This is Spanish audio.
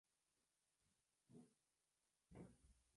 El fruto es una cápsula con cuatro semillas.